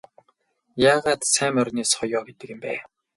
Яагаад сайн морины соёо гэдэг юм бэ?